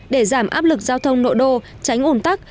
để giảm áp lực giao thông nội đô tránh ồn tắc